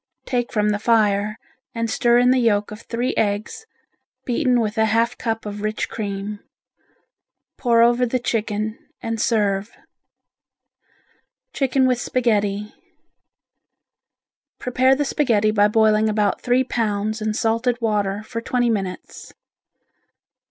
Take from the fire and stir in the yolk of three eggs, beaten with a half cup of rich cream. Pour over the chicken and serve. Chicken with Spaghetti Prepare the spaghetti by boiling about three pounds in salted water for twenty minutes.